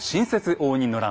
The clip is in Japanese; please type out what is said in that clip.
応仁の乱。